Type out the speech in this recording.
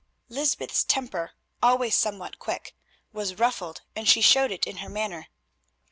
Lysbeth's temper, always somewhat quick, was ruffled, and she showed it in her manner.